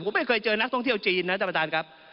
ผมไม่เคยเจอนักท่องเที่ยวจีนนะท่านประธานครับ